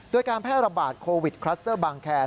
โดยการแพร่ระบาดโควิดคลัสเตอร์บางแคร์